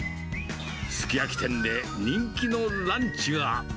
すき焼き店で人気のランチが。